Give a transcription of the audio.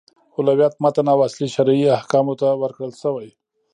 اولویت متن او اصلي شرعي احکامو ته ورکړل شوی.